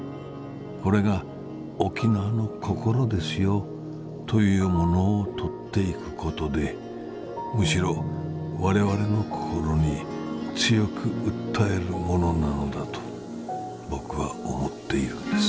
これが沖縄の心ですよというものを撮っていくことでむしろわれわれの心に強く訴えるものなのだとぼくは思っているんです」。